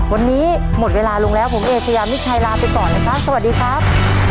วันนี้หมดเวลาลงแล้วผมเอเชยามิชัยลาไปก่อนเลยครับสวัสดีครับ